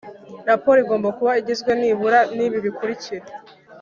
Raporo igomba kuba igizwe nibura n’ibikurikira